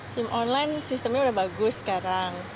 sim online sistemnya udah bagus sekarang